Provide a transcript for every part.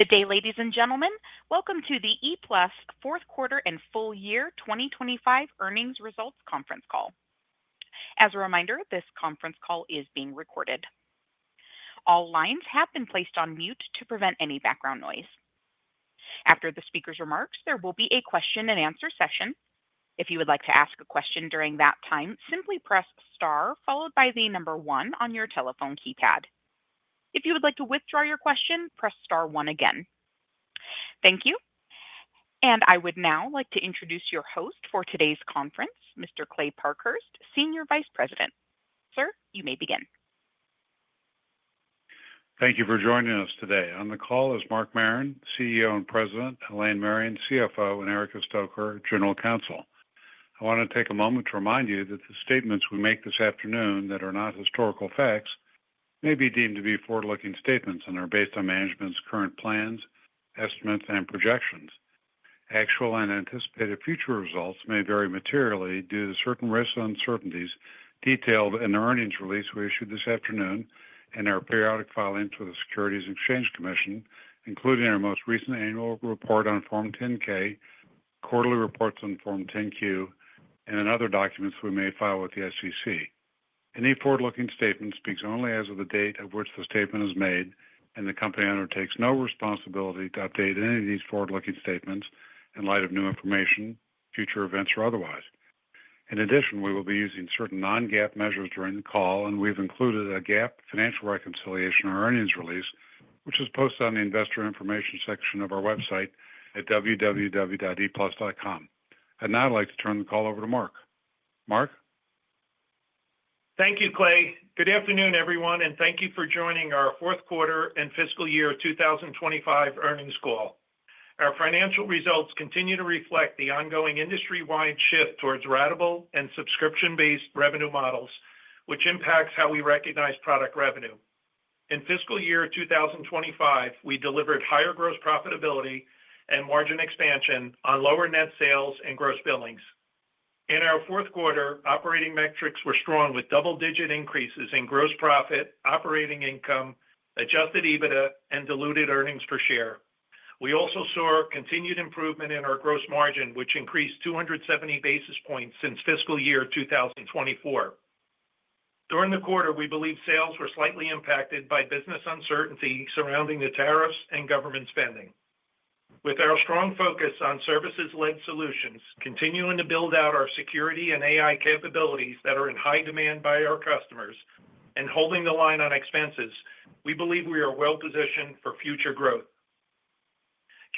Good day, ladies and gentlemen. Welcome to the ePlus fourth quarter and full year 2025 earnings results conference call. As a reminder, this conference call is being recorded. All lines have been placed on mute to prevent any background noise. After the speaker's remarks, there will be a question-and-answer session. If you would like to ask a question during that time, simply press star followed by the number one on your telephone keypad. If you would like to withdraw your question, press star one again. Thank you. I would now like to introduce your host for today's conference, Mr. Kley Parkhurst, Senior Vice President. Sir, you may begin. Thank you for joining us today. On the call is Mark Marron, CEO and President; Elaine Marion, CFO; and Erica Stoecker, General Counsel. I want to take a moment to remind you that the statements we make this afternoon that are not historical facts may be deemed to be forward-looking statements and are based on management's current plans, estimates, and projections. Actual and anticipated future results may vary materially due to certain risks and uncertainties detailed in the earnings release we issued this afternoon and our periodic filings with the Securities and Exchange Commission, including our most recent annual report on Form 10-K, quarterly reports on Form 10-Q, and other documents we may file with the SEC. Any forward-looking statement speaks only as of the date of which the statement is made, and the company undertakes no responsibility to update any of these forward-looking statements in light of new information, future events, or otherwise. In addition, we will be using certain non-GAAP measures during the call, and we've included a GAAP financial reconciliation or earnings release, which is posted on the investor information section of our website at www.eplus.com. I'd now like to turn the call over to Mark. Mark? Thank you, Kley. Good afternoon, everyone, and thank you for joining our fourth quarter and fiscal year 2025 earnings call. Our financial results continue to reflect the ongoing industry-wide shift towards ratable and subscription-based revenue models, which impacts how we recognize product revenue. In fiscal year 2025, we delivered higher gross profitability and margin expansion on lower net sales and gross billings. In our fourth quarter, operating metrics were strong with double-digit increases in gross profit, operating income, adjusted EBITDA, and diluted earnings per share. We also saw continued improvement in our gross margin, which increased 270 basis points since fiscal year 2024. During the quarter, we believe sales were slightly impacted by business uncertainty surrounding the tariffs and government spending. With our strong focus on services-led solutions, continuing to build out our security and AI capabilities that are in high demand by our customers, and holding the line on expenses, we believe we are well-positioned for future growth.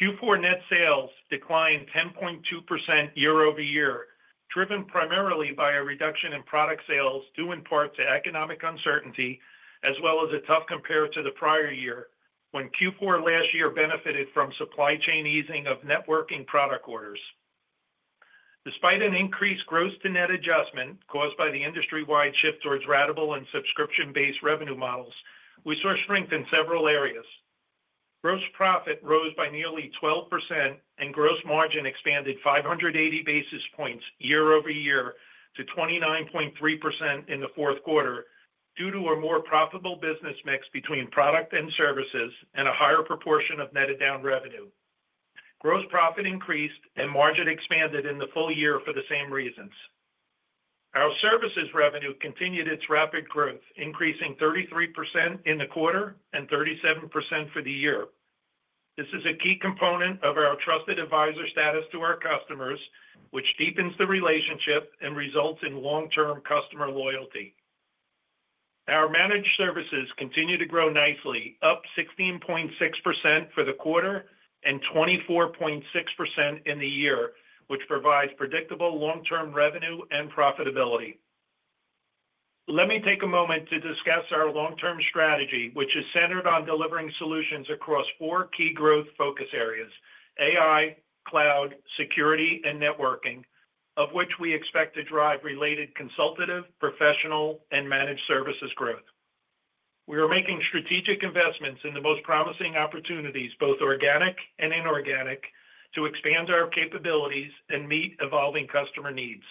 Q4 net sales declined 10.2% year-over-year, driven primarily by a reduction in product sales due in part to economic uncertainty, as well as a tough compare to the prior year when Q4 last year benefited from supply chain easing of networking product orders. Despite an increased gross-to-net adjustment caused by the industry-wide shift towards ratable and subscription-based revenue models, we saw strength in several areas. Gross profit rose by nearly 12%, and gross margin expanded 580 basis points year-over-year to 29.3% in the fourth quarter due to a more profitable business mix between product and services and a higher proportion of netted down revenue. Gross profit increased, and margin expanded in the full year for the same reasons. Our services revenue continued its rapid growth, increasing 33% in the quarter and 37% for the year. This is a key component of our trusted advisor status to our customers, which deepens the relationship and results in long-term customer loyalty. Our managed services continue to grow nicely, up 16.6% for the quarter and 24.6% in the year, which provides predictable long-term revenue and profitability. Let me take a moment to discuss our long-term strategy, which is centered on delivering solutions across 4 key growth focus areas: AI, cloud, security, and networking, of which we expect to drive related consultative, professional, and managed services growth. We are making strategic investments in the most promising opportunities, both organic and inorganic, to expand our capabilities and meet evolving customer needs.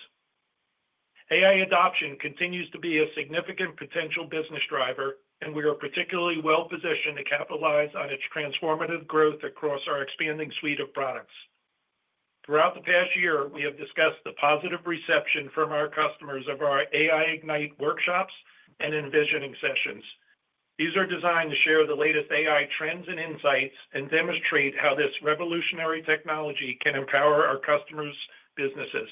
AI adoption continues to be a significant potential business driver, and we are particularly well-positioned to capitalize on its transformative growth across our expanding suite of products. Throughout the past year, we have discussed the positive reception from our customers of our AI Ignite workshops and envisioning sessions. These are designed to share the latest AI trends and insights and demonstrate how this revolutionary technology can empower our customers' businesses.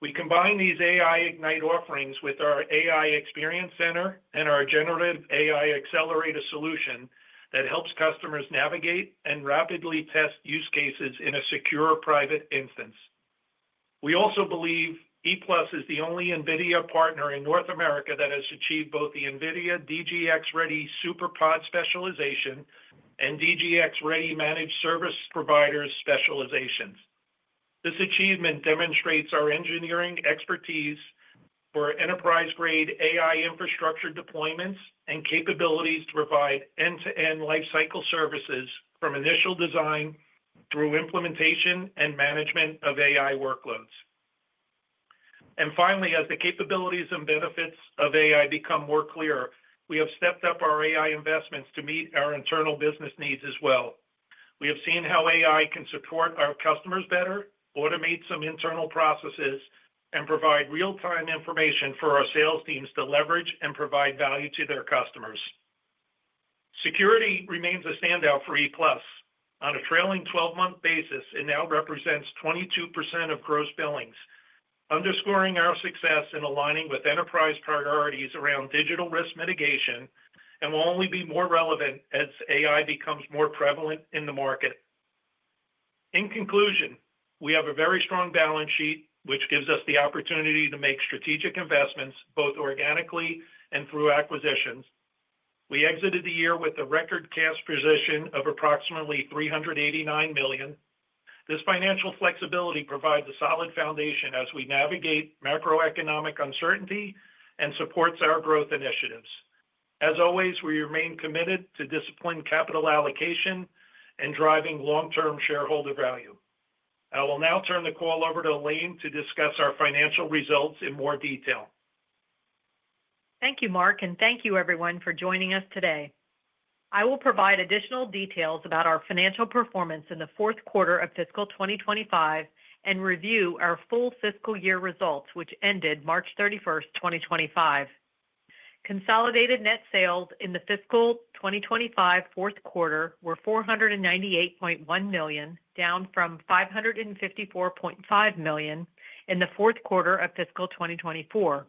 We combine these AI Ignite offerings with our AI Experience Center and our generative AI accelerator solution that helps customers navigate and rapidly test use cases in a secure private instance. We also believe ePlus is the only NVIDIA partner in North America that has achieved both the NVIDIA DGX-Ready Superpod specialization and DGX-Ready Managed Service Providers specializations. This achievement demonstrates our engineering expertise for enterprise-grade AI infrastructure deployments and capabilities to provide end-to-end lifecycle services from initial design through implementation and management of AI workloads. Finally, as the capabilities and benefits of AI become more clear, we have stepped up our AI investments to meet our internal business needs as well. We have seen how AI can support our customers better, automate some internal processes, and provide real-time information for our sales teams to leverage and provide value to their customers. Security remains a standout for ePlus. On a trailing 12-month basis, it now represents 22% of gross billings, underscoring our success in aligning with enterprise priorities around digital risk mitigation and will only be more relevant as AI becomes more prevalent in the market. In conclusion, we have a very strong balance sheet, which gives us the opportunity to make strategic investments both organically and through acquisitions. We exited the year with a record cash position of approximately $389 million. This financial flexibility provides a solid foundation as we navigate macroeconomic uncertainty and supports our growth initiatives. As always, we remain committed to disciplined capital allocation and driving long-term shareholder value. I will now turn the call over to Elaine to discuss our financial results in more detail. Thank you, Mark, and thank you, everyone, for joining us today. I will provide additional details about our financial performance in the fourth quarter of fiscal 2025 and review our full fiscal year results, which ended March 31, 2025. Consolidated net sales in the fiscal 2025 fourth quarter were $498.1 million, down from $554.5 million in the fourth quarter of fiscal 2024.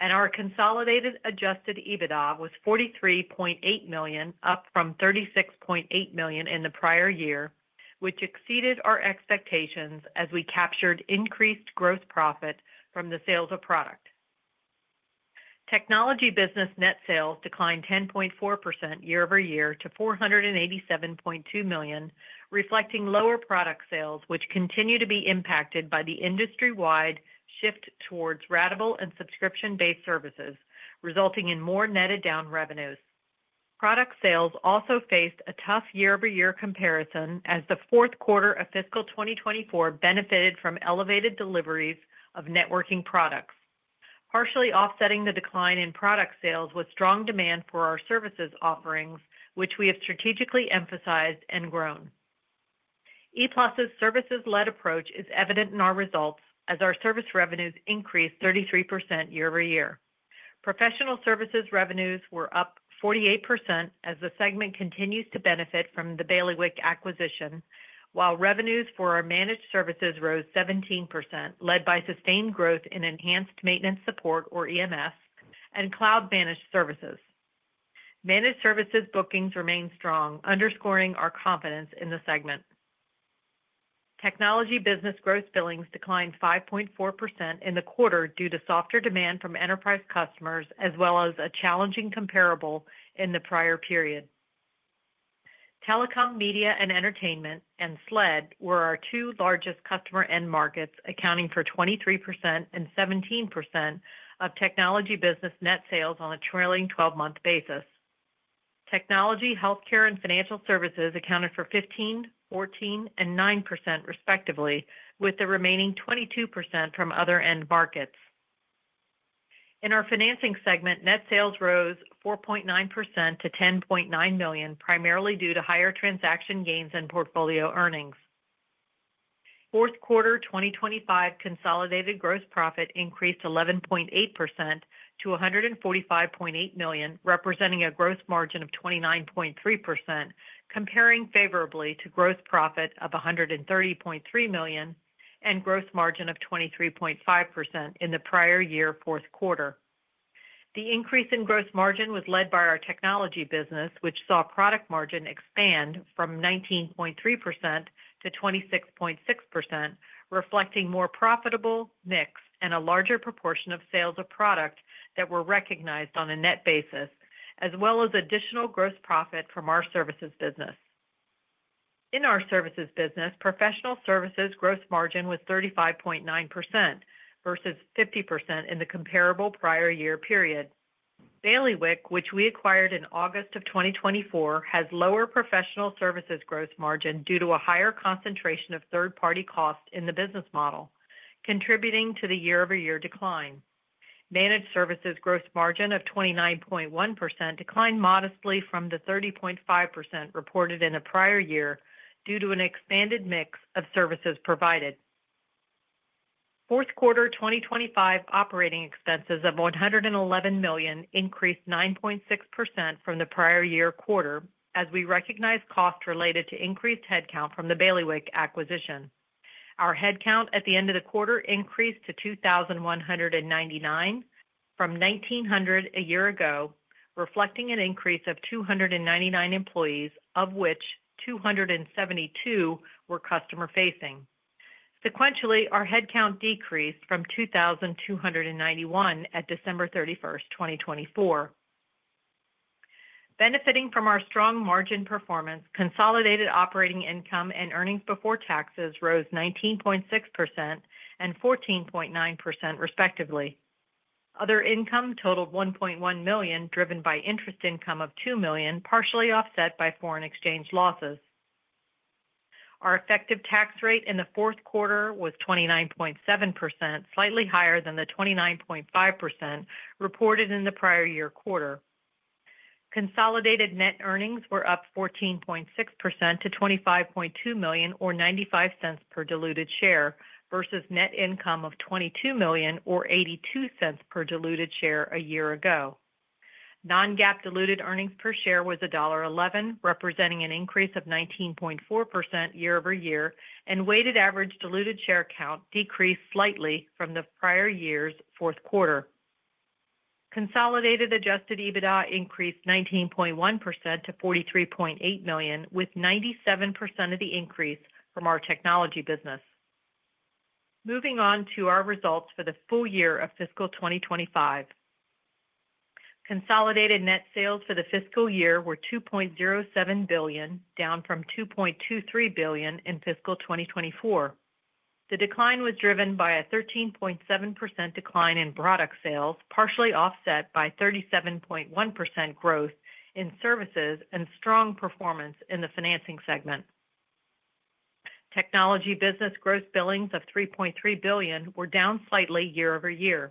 Our consolidated adjusted EBITDA was $43.8 million, up from $36.8 million in the prior year, which exceeded our expectations as we captured increased gross profit from the sales of product. Technology business net sales declined 10.4% year-over-year to $487.2 million, reflecting lower product sales, which continue to be impacted by the industry-wide shift towards ratable and subscription-based services, resulting in more netted down revenues. Product sales also faced a tough year-over-year comparison as the fourth quarter of fiscal 2024 benefited from elevated deliveries of networking products, partially offsetting the decline in product sales with strong demand for our services offerings, which we have strategically emphasized and grown. ePlus' services-led approach is evident in our results as our service revenues increased 33% year-over-year. Professional services revenues were up 48% as the segment continues to benefit from the Bailiwick acquisition, while revenues for our managed services rose 17%, led by sustained growth in enhanced maintenance support, or EMS, and cloud-managed services. Managed services bookings remained strong, underscoring our confidence in the segment. Technology business gross billings declined 5.4% in the quarter due to softer demand from enterprise customers, as well as a challenging comparable in the prior period. Telecom, media, and entertainment, and SLED were our 2 largest customer end markets, accounting for 23% and 17% of technology business net sales on a trailing 12-month basis. Technology, healthcare, and financial services accounted for 15%, 14%, and 9%, respectively, with the remaining 22% from other end markets. In our financing segment, net sales rose 4.9% to $10.9 million, primarily due to higher transaction gains and portfolio earnings. Fourth quarter 2025 consolidated gross profit increased 11.8% to $145.8 million, representing a gross margin of 29.3%, comparing favorably to gross profit of $130.3 million and gross margin of 23.5% in the prior year fourth quarter. The increase in gross margin was led by our technology business, which saw product margin expand from 19.3% to 26.6%, reflecting more profitable mix and a larger proportion of sales of product that were recognized on a net basis, as well as additional gross profit from our services business. In our services business, professional services gross margin was 35.9% versus 50% in the comparable prior year period. Bailiwick, which we acquired in August of 2024, has lower professional services gross margin due to a higher concentration of third-party costs in the business model, contributing to the year-over-year decline. Managed services gross margin of 29.1% declined modestly from the 30.5% reported in the prior year due to an expanded mix of services provided. Fourth quarter 2025 operating expenses of $111 million increased 9.6% from the prior year quarter as we recognized costs related to increased headcount from the Bailiwick acquisition. Our headcount at the end of the quarter increased to 2,199 from 1,900 a year ago, reflecting an increase of 299 employees, of which 272 were customer-facing. Sequentially, our headcount decreased from 2,291 at December 31, 2024. Benefiting from our strong margin performance, consolidated operating income and earnings before taxes rose 19.6% and 14.9%, respectively. Other income totaled $1.1 million, driven by interest income of $2 million, partially offset by foreign exchange losses. Our effective tax rate in the fourth quarter was 29.7%, slightly higher than the 29.5% reported in the prior year quarter. Consolidated net earnings were up 14.6% to $25.2 million, or $0.95 per diluted share, versus net income of $22 million, or $0.82 per diluted share a year ago. Non-GAAP diluted earnings per share was $1.11, representing an increase of 19.4% year-over-year, and weighted average diluted share count decreased slightly from the prior year's fourth quarter. Consolidated adjusted EBITDA increased 19.1% to $43.8 million, with 97% of the increase from our technology business. Moving on to our results for the full year of fiscal 2025. Consolidated net sales for the fiscal year were $2.07 billion, down from $2.23 billion in fiscal 2024. The decline was driven by a 13.7% decline in product sales, partially offset by 37.1% growth in services and strong performance in the financing segment. Technology business gross billings of $3.3 billion were down slightly year-over-year.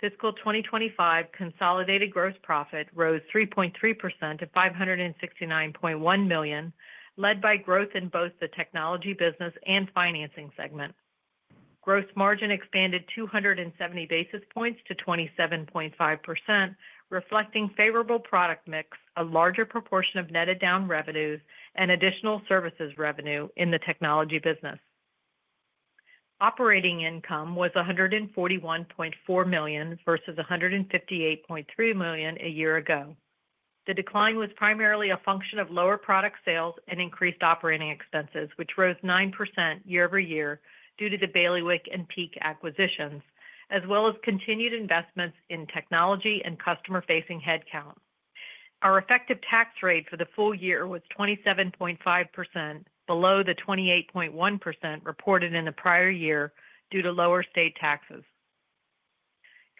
Fiscal 2025 consolidated gross profit rose 3.3% to $569.1 million, led by growth in both the technology business and financing segment. Gross margin expanded 270 basis points to 27.5%, reflecting favorable product mix, a larger proportion of netted down revenues, and additional services revenue in the technology business. Operating income was $141.4 million versus $158.3 million a year ago. The decline was primarily a function of lower product sales and increased operating expenses, which rose 9% year-over-year due to the Bailiwick and Peak acquisitions, as well as continued investments in technology and customer-facing headcount. Our effective tax rate for the full year was 27.5%, below the 28.1% reported in the prior year due to lower state taxes.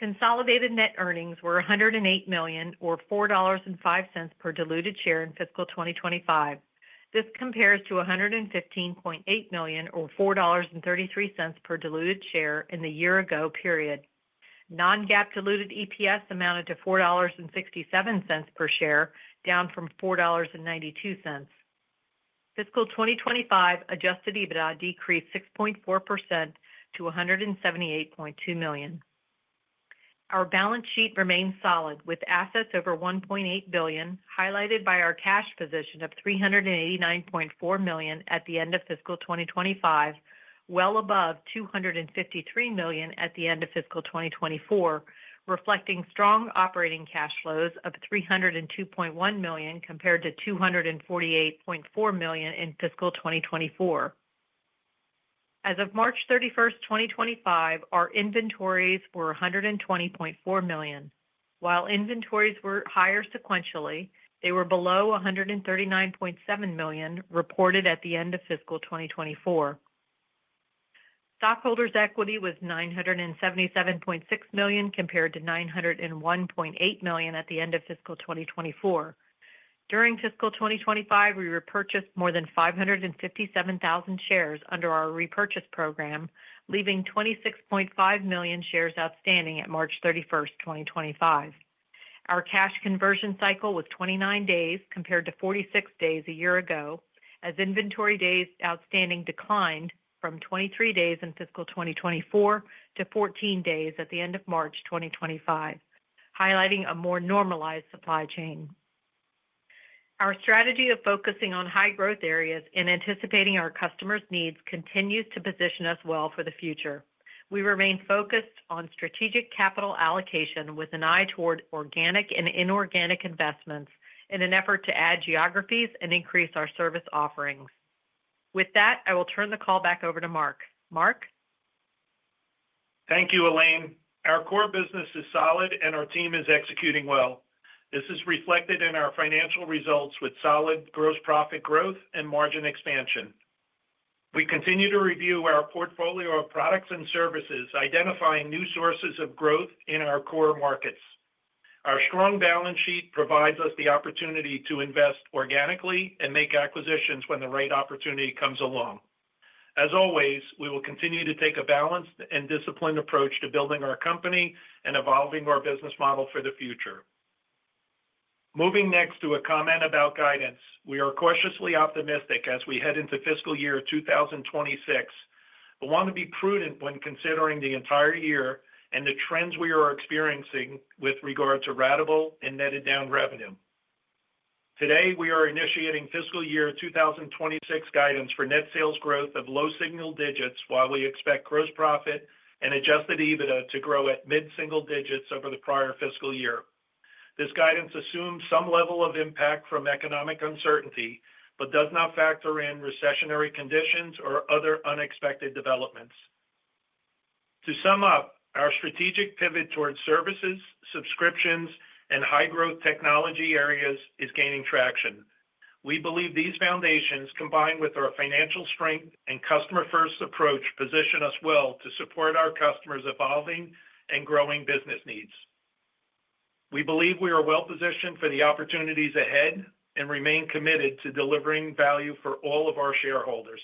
Consolidated net earnings were $108 million, or $4.05 per diluted share in fiscal 2025. This compares to $115.8 million, or $4.33 per diluted share in the year-ago period. Non-GAAP diluted EPS amounted to $4.67 per share, down from $4.92. Fiscal 2025 adjusted EBITDA decreased 6.4% to $178.2 million. Our balance sheet remains solid, with assets over $1.8 billion, highlighted by our cash position of $389.4 million at the end of fiscal 2025, well above $253 million at the end of fiscal 2024, reflecting strong operating cash flows of $302.1 million compared to $248.4 million in fiscal 2024. As of March 31, 2025, our inventories were $120.4 million. While inventories were higher sequentially, they were below $139.7 million reported at the end of fiscal 2024. Stockholders' equity was $977.6 million compared to $901.8 million at the end of fiscal 2024. During fiscal 2025, we repurchased more than 557,000 shares under our repurchase program, leaving 26.5 million shares outstanding at March 31, 2025. Our cash conversion cycle was 29 days compared to 46 days a year ago, as inventory days outstanding declined from 23 days in fiscal 2024 to 14 days at the end of March 2025, highlighting a more normalized supply chain. Our strategy of focusing on high-growth areas in anticipating our customers' needs continues to position us well for the future. We remain focused on strategic capital allocation with an eye toward organic and inorganic investments in an effort to add geographies and increase our service offerings. With that, I will turn the call back over to Mark. Mark? Thank you, Elaine. Our core business is solid, and our team is executing well. This is reflected in our financial results with solid gross profit growth and margin expansion. We continue to review our portfolio of products and services, identifying new sources of growth in our core markets. Our strong balance sheet provides us the opportunity to invest organically and make acquisitions when the right opportunity comes along. As always, we will continue to take a balanced and disciplined approach to building our company and evolving our business model for the future. Moving next to a comment about guidance, we are cautiously optimistic as we head into fiscal year 2026, but want to be prudent when considering the entire year and the trends we are experiencing with regard to ratable and netted down revenue. Today, we are initiating fiscal year 2026 guidance for net sales growth of low single digits while we expect gross profit and adjusted EBITDA to grow at mid-single digits over the prior fiscal year. This guidance assumes some level of impact from economic uncertainty but does not factor in recessionary conditions or other unexpected developments. To sum up, our strategic pivot toward services, subscriptions, and high-growth technology areas is gaining traction. We believe these foundations, combined with our financial strength and customer-first approach, position us well to support our customers' evolving and growing business needs. We believe we are well-positioned for the opportunities ahead and remain committed to delivering value for all of our shareholders.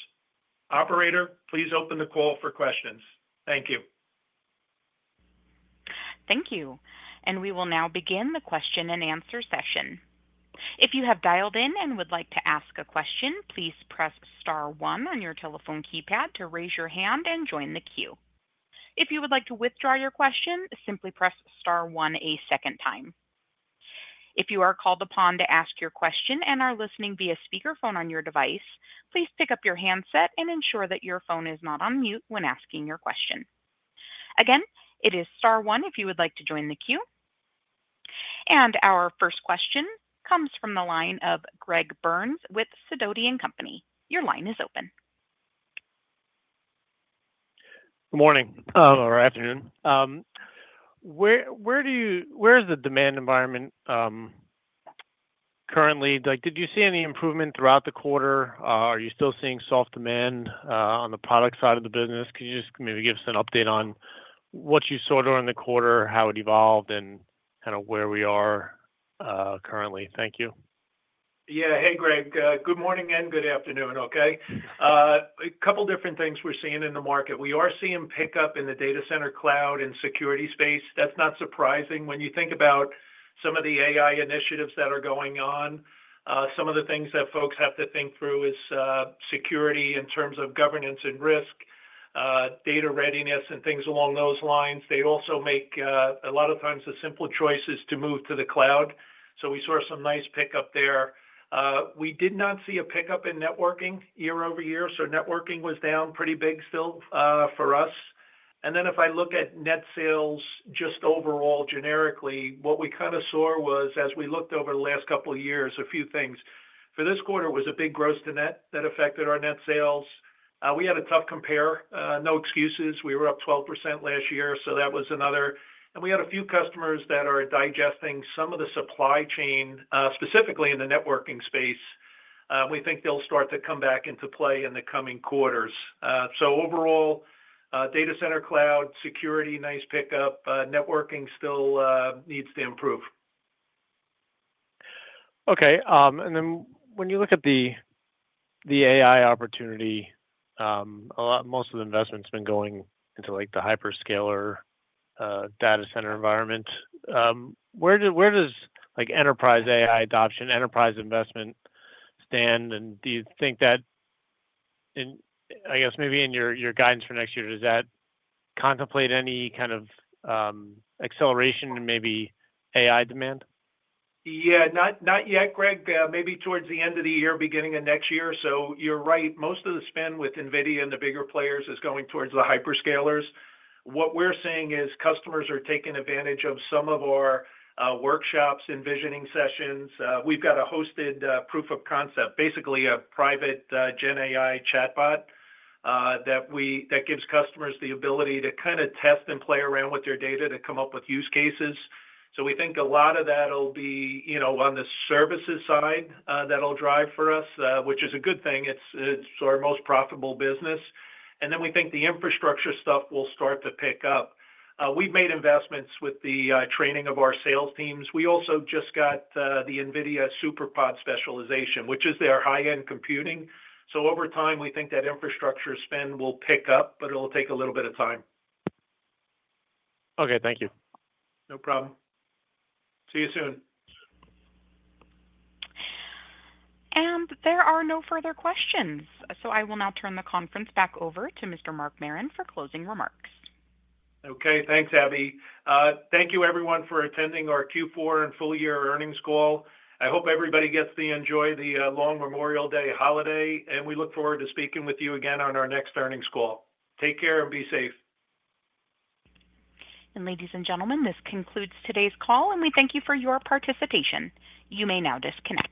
Operator, please open the call for questions. Thank you. Thank you. We will now begin the question-and-answer session. If you have dialed in and would like to ask a question, please press star 1 on your telephone keypad to raise your hand and join the queue. If you would like to withdraw your question, simply press star 1 a second time. If you are called upon to ask your question and are listening via speakerphone on your device, please pick up your handset and ensure that your phone is not on mute when asking your question. Again, it is star 1 if you would like to join the queue. Our first question comes from the line of Greg Burns with Sidoti & Company. Your line is open. Good morning or afternoon. Where is the demand environment currently? Did you see any improvement throughout the quarter? Are you still seeing soft demand on the product side of the business? Could you just maybe give us an update on what you saw during the quarter, how it evolved, and kind of where we are currently? Thank you. Yeah. Hey, Greg. Good morning and good afternoon, okay? A couple of different things we're seeing in the market. We are seeing pickup in the data center, cloud, and security space. That's not surprising when you think about some of the AI initiatives that are going on. Some of the things that folks have to think through is security in terms of governance and risk, data readiness, and things along those lines. They also make, a lot of times, the simple choices to move to the cloud. We saw some nice pickup there. We did not see a pickup in networking year-over-year. Networking was down pretty big still for us. If I look at net sales just overall generically, what we kind of saw was, as we looked over the last couple of years, a few things. For this quarter, it was a big growth to net that affected our net sales. We had a tough compare. No excuses. We were up 12% last year. That was another. We had a few customers that are digesting some of the supply chain, specifically in the networking space. We think they'll start to come back into play in the coming quarters. Overall, data center cloud, security, nice pickup. Networking still needs to improve. Okay. When you look at the AI opportunity, most of the investment's been going into the hyperscaler data center environment. Where does enterprise AI adoption, enterprise investment stand? Do you think that, I guess, maybe in your guidance for next year, does that contemplate any kind of acceleration in maybe AI demand? Yeah. Not yet, Greg. Maybe towards the end of the year, beginning of next year. You're right. Most of the spend with NVIDIA and the bigger players is going towards the hyperscalers. What we're seeing is customers are taking advantage of some of our workshops, envisioning sessions. We've got a hosted proof of concept, basically a private GenAI chatbot that gives customers the ability to kind of test and play around with their data to come up with use cases. We think a lot of that will be on the services side that'll drive for us, which is a good thing. It's our most profitable business. We think the infrastructure stuff will start to pick up. We've made investments with the training of our sales teams. We also just got the NVIDIA SuperPod specialization, which is their high-end computing. Over time, we think that infrastructure spend will pick up, but it'll take a little bit of time. Okay. Thank you. No problem. See you soon. There are no further questions. I will now turn the conference back over to Mr. Mark Marron for closing remarks. Okay. Thanks, Abby. Thank you, everyone, for attending our Q4 and full-year earnings call. I hope everybody gets to enjoy the long Memorial Day holiday. We look forward to speaking with you again on our next earnings call. Take care and be safe. Ladies and gentlemen, this concludes today's call, and we thank you for your participation. You may now disconnect.